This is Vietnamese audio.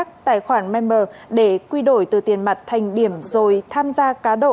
các tài khoản memer để quy đổi từ tiền mặt thành điểm rồi tham gia cá độ